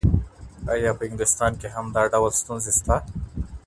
ایا په انګلستان کي هم دا ډول ستونزي سته؟